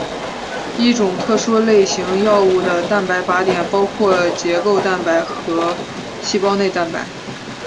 一些特殊类型药物的蛋白靶点包括结构蛋白和细胞内蛋白。